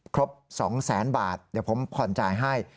ครบ๒แสนบาทเดี๋ยวผมผ่อนจ่ายให้